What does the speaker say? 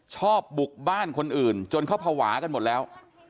ชอบบุกบ้านคนอื่นจนเขาภาวะกันหมดแล้ว